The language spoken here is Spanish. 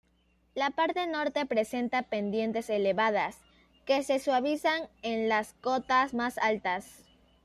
La parte norte presenta pendientes elevadas, que se suavizan en las cotas más altas.